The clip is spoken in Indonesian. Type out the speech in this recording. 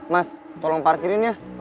mas tolong parkirin ya